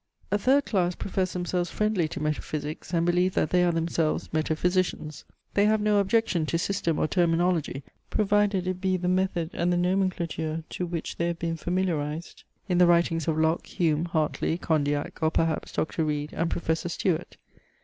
A third class profess themselves friendly to metaphysics, and believe that they are themselves metaphysicians. They have no objection to system or terminology, provided it be the method and the nomenclature to which they have been familiarized in the writings of Locke, Hume, Hartley, Condillac, or perhaps Dr. Reid, and Professor Stewart.